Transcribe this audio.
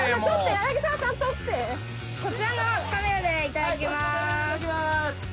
こちらのカメラでいただきます。